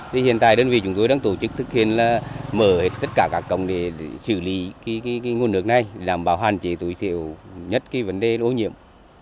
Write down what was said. thì hiện tại đơn vị chúng tôi đang tổ chức thực hiện là mở hết tất cả các cổng để xử lý cái nguồn nước này làm bảo hoàn chỉ tuổi thiệu nhất cái vấn đề ô nhiễm